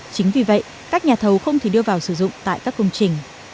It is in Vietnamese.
chính vì vậy các nhà thầu không thể đưa vào sử dụng tại các công trình